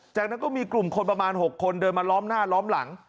จากนั้นก็มีกลุ่มคนประมาณ๖คนเดินมาล้อมหน้าล้อมหลัง